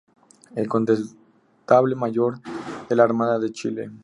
El Condestable Mayor de la Armada de Chile.